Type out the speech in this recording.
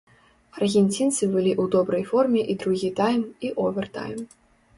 Аргенцінцы былі ў добрай форме і другі тайм, і овертайм.